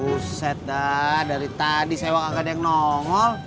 buset dah dari tadi sewak agak ada yang nongol